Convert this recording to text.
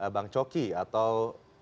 bang coki atau